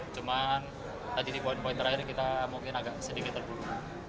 cuman tadi di poin poin terakhir kita mungkin agak sedikit terbuka